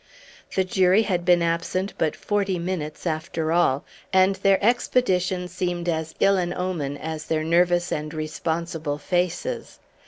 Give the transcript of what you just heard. The jury had been absent but forty minutes after all; and their expedition seemed as ill an omen as their nervous and responsible faces.